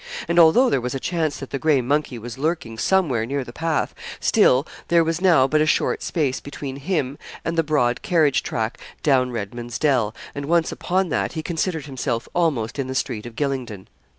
And although there was a chance that the gray monkey was lurking somewhere near the path, still there was now but a short space between him and the broad carriage track down Redman's Dell, and once upon that he considered himself almost in the street of Gylingden.